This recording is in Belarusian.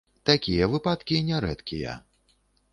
Такія выпадкі не рэдкія.